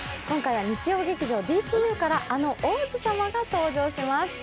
今回は日曜劇場「ＤＣＵ」からあの王子様が登場します。